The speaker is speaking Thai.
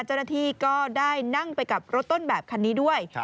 เจ้าหน้าที่ก็ได้นั่งไปกับรถต้นแบบคันนี้ด้วย